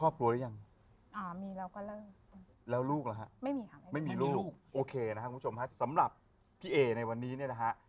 โอเคนะครับคุณผู้ชมสำหรับพี่เอ๊ในวันนี้นะฮะ